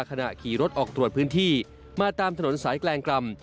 ขณะขี่รถออกตรวจพื้นที่มาตามถนนสายแกลงกรรม